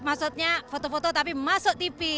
maksudnya foto foto tapi masuk tv